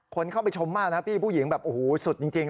คนเข้าไปชมมากนะพี่ผู้หญิงแบบโอ้โหสุดจริง